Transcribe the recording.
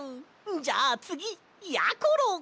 じゃあつぎやころ！